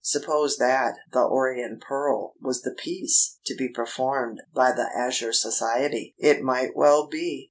Suppose that "The Orient Pearl" was the piece to be performed by the Azure Society! It might well be.